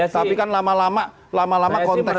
tapi kan lama lama konteksnya